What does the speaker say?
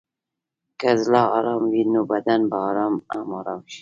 که زړه ارام وي، نو بدن به هم ارام شي.